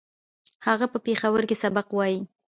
هغه په پېښور کې سبق وايي